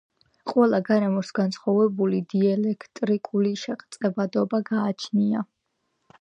ყველა გარემოს განსხვავებული დიელექტრიკული შეღწევადობა გაჩნია.